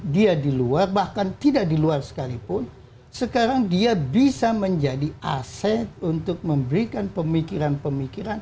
dia diluar bahkan tidak diluar sekalipun sekarang dia bisa menjadi aset untuk memberikan pemikiran pemikiran